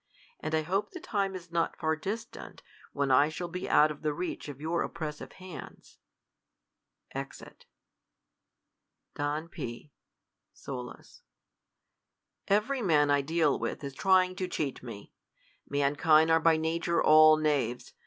And I hope the time is not far distant, when I shall be out of tlie reach of your oppressive hands. [Exit, Don P. [Solus,'] Every man I deal with is trying to cheat me. Mankind are by nature all knaves.